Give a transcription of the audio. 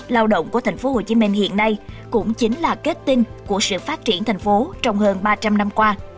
lao động của thành phố hồ chí minh hiện nay cũng chính là kết tinh của sự phát triển thành phố trong hơn ba trăm linh năm qua